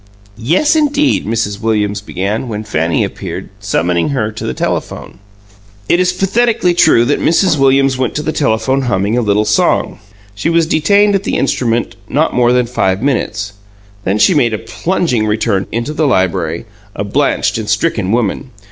"Yes, indeed " Mrs. Williams began, when Fanny appeared, summoning her to the telephone. It is pathetically true that Mrs. Williams went to the telephone humming a little song. She was detained at the instrument not more than five minutes; then she made a plunging return into the library, a blanched and stricken woman.